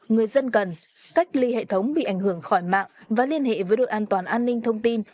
người dân cần cách ly hệ thống bị ảnh hưởng khỏi mạng và liên hệ với đội an toàn an ninh thông tin